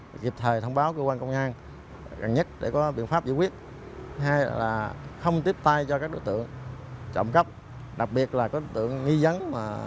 thì kịp thời thông báo cơ quan công an